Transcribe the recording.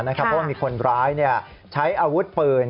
เพราะว่ามีคนร้ายใช้อาวุธปืน